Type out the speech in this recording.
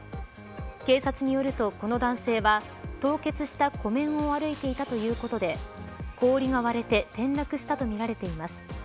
警察によると、この男性は凍結した湖面を歩いていたということで氷が割れて転落したとみられています。